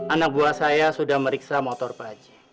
anak buah saya sudah meriksa motor pak haji